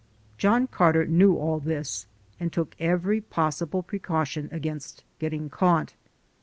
John Carter knew all this and took every possible precaution against getting caught.